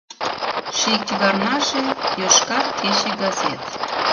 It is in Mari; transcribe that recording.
Ший кӱварнаже — «Йошкар кече» газет.